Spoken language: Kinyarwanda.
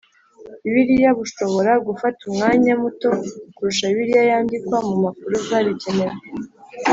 Bibiliya bushobora gufata umwanya muto kurusha Bibiliya yandikwa ku mpapuro zabigenewe